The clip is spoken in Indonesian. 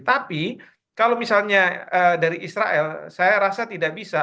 tapi kalau misalnya dari israel saya rasa tidak bisa